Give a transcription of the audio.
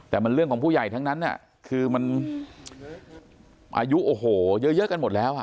แต่มันเรื่องของผู้ใหญ่ทั้งนั้นคือมันอายุโอ้โหเยอะกันหมดแล้วอ่ะ